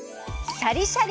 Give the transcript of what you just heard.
シャリシャリ！